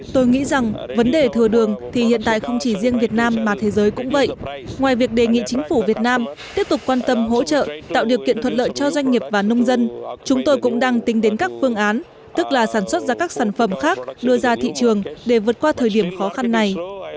tôi nghĩ rằng vấn đề thừa đường thì hiện tại không chỉ riêng việt nam mà thế giới cũng vậy ngoài việc đề nghị chính phủ việt nam tiếp tục quan tâm hỗ trợ tạo điều kiện thuận lợi cho doanh nghiệp và nông dân chúng tôi cũng đang tính đến các phương án tức là sản xuất ra các sản phẩm khác đưa ra thị trường để vượt qua thời điểm khó khăn này